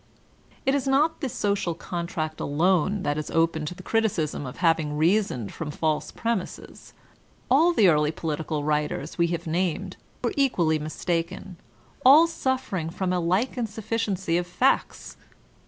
It is not the "Social Contract'' alone that is open to the criticism of having reasoned from false premises; all the early political writers we have named were equally mistaken, all suffering from a like insufficiency of facts.